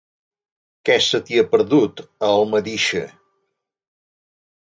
Què se t'hi ha perdut, a Almedíxer?